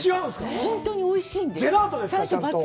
本当においしいんです。